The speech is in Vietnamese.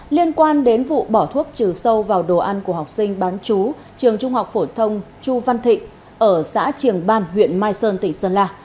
liên quan đến vụ bỏ thuốc trừ sâu vào đồ ăn của học sinh bán chú trường trung học phổ thông chu văn thịnh ở xã triềng ban huyện mai sơn tỉnh sơn la